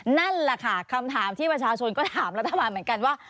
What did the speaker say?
นั่นแหละค่ะคำถามที่ประชาชนก็ถามรัฐบาลเหมือนกันว่า